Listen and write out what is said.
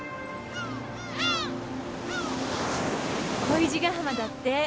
恋路ヶ浜だって。